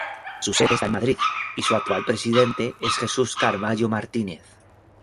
Su sede está en Madrid y su actual presidente es Jesús Carballo Martínez.